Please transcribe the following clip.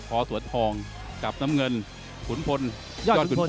พอสวดทองกับน้ำเงินขุนพลทะย่อดขุนพนครับ